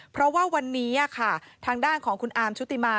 เพราะว่าวันนี้ค่ะทางด้านของคุณอาร์มชุติมา